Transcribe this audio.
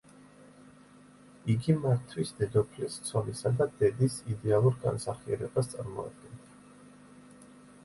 იგი მათთვის დედოფლის, ცოლისა და დედის იდეალურ განსახიერებას წარმოადგენდა.